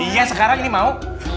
iya sekarang ini mau